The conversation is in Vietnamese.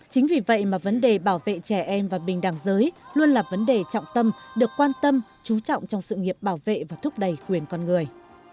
chính vì vậy mà vấn đề bảo vệ trẻ em và bình đẳng giới luôn là vấn đề trọng tâm được quan tâm trú trọng trong sự nghiệp bảo vệ và thúc đẩy quyền con người